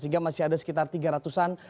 sehingga masih ada sekitar tiga ratus an